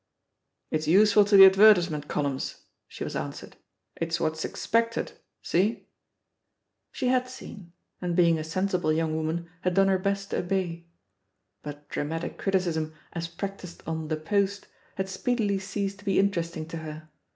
It's useful to the advertisement columns," she was answered ; "it's what's expected. See ?" She had seen, and being a sensible young woman had done her best to obey. But dramatic criticism as practised on The Post had speedily ceased to be interesting to her.